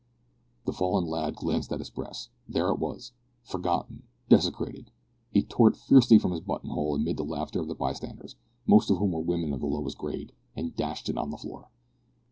The fallen lad glanced at his breast. There it was, forgotten, desecrated! He tore it fiercely from his button hole, amid the laughter of the bystanders most of whom were women of the lowest grade and dashed it on the floor.